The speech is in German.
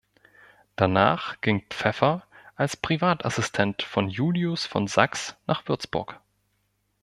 Danach ging Pfeffer als Privatassistent von Julius von Sachs nach Würzburg.